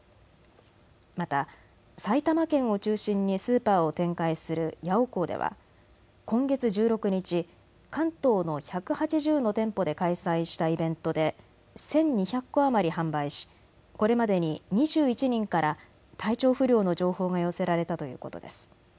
また埼玉県を中心にスーパーを展開するヤオコーでは今月１６日、関東の１８０の店舗で開催したイベントで１２００個余り販売しこれまでに２１人から体調不良の情報が寄せられたということです。